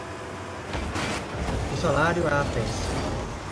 O salário à peça